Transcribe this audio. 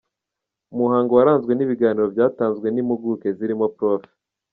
Umuhango waranzwe n’ibiganiro byatanzwe n’impuguke zirimo Prof.